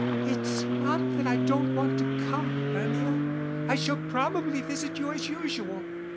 "It's not that I don't want to come, Hermia. I shall probably visit you as usual.